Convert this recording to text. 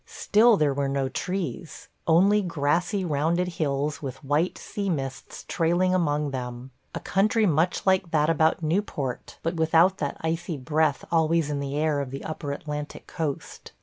Still there were no trees. Only grassy, rounded hills, with white sea mists trailing among them. A country much like that about Newport, but without that icy breath always in the air of the upper Atlantic coast.